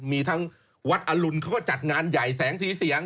มีทั้งวัดอรุณเขาก็จัดงานใหญ่แสงสีเสียง